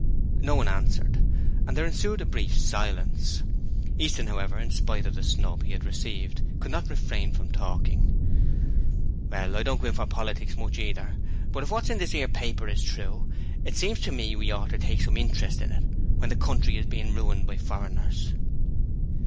No one answered, and there ensued a brief silence. Easton however, in spite of the snub he had received, could not refrain from talking. 'Well, I don't go in for politics much, either, but if what's in this 'ere paper is true, it seems to me as we oughter take some interest in it, when the country is being ruined by foreigners.'